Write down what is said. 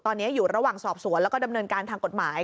ตอนนี้อยู่ระหว่างสอบสวนแล้วก็ดำเนินการทางกฎหมาย